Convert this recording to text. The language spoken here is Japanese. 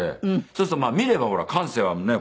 そうすると見れば感性はね。